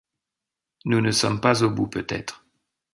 Nous ne sommes pas au bout peut-être.